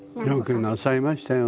よくなさいましたよね。